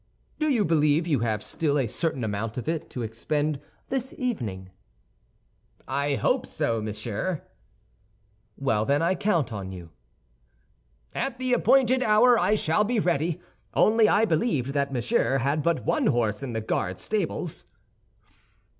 "Do you believe you have still a certain amount of it to expend this evening?" "I hope so, monsieur." "Well, then, I count on you." "At the appointed hour I shall be ready; only I believed that Monsieur had but one horse in the Guard stables."